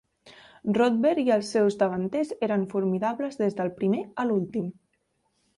Rodber i els seus davanters eren formidables des del primer a l'últim.